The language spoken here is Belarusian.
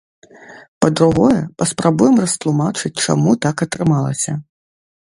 Па-другое, паспрабуем растлумачыць чаму так атрымалася.